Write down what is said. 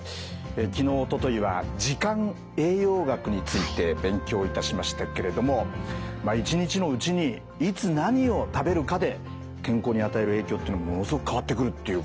昨日おとといは時間栄養学について勉強いたしましたけれどもまあ一日のうちにいつ何を食べるかで健康に与える影響というのものすごく変わってくるっていうことなんですよね。